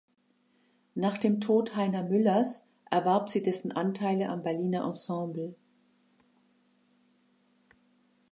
Nach dem Tod Heiner Müllers erwarb sie dessen Anteile am Berliner Ensemble.